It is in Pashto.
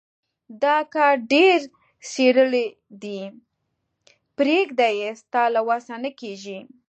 دا کار ډېر څيرلی دی. پرېږده يې؛ ستا له وسه نه کېږي.